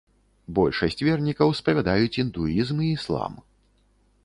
Большасць вернікаў спавядаюць індуізм і іслам.